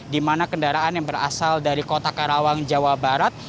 dimana kendaraan yang berasal dari kota karawang jawa barat